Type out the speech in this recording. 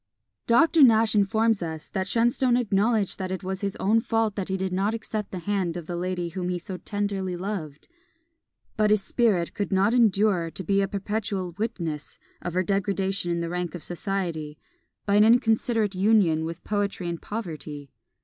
Dr. Nash informs us that Shenstone acknowledged that it was his own fault that he did not accept the hand of the lady whom he so tenderly loved; but his spirit could not endure to be a perpetual witness of her degradation in the rank of society, by an inconsiderate union with poetry and poverty.